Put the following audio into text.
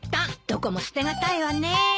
どこも捨て難いわね。